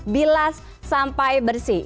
bilas sampai bersih